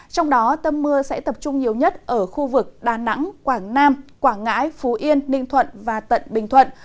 trong đó tâm mưa sẽ tập trung nhiều nhất ở khu vực đà nẵng quảng nam quảng ngãi phú yên ninh thuận và tận bình thuận